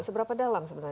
seberapa dalam sebenarnya